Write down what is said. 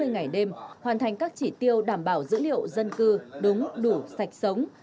hai mươi ngày đêm hoàn thành các chỉ tiêu đảm bảo dữ liệu dân cư đúng đủ sạch sống